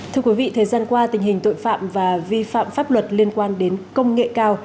thưa quý vị thời gian qua tình hình tội phạm và vi phạm pháp luật liên quan đến công nghệ cao